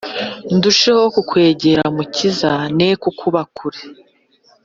Ndusheho kukwegera mukiza ne kukuba kure